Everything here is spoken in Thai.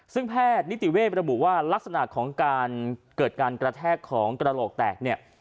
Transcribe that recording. ซึ่งแพทย์นิติเว่บทบุว่าลักษณะของการกระแทกของกระโลกแตก